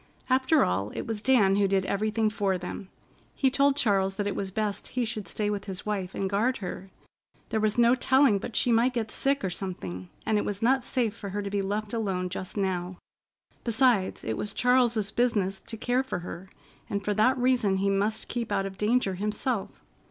After all, it was Dan who did everything for them. He told Charles that it was best he should stay with his wife and guard her. There was no telling but she might get sick or something, and it was not safe for her to be left alone just now. Besides, it was Charles's business to care for her, and for that reason he must keep out of danger himself.